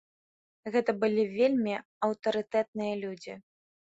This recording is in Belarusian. Гэта былі вельмі аўтарытэтныя людзі.